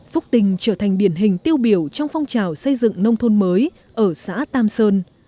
phúc tình trở thành điển hình tiêu biểu trong phong trào xây dựng nông thôn mới ở xã tam sơn